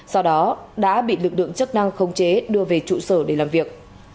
sau đó đã bị lực lượng chức năng khống chế đưa về trụ sở để làm việc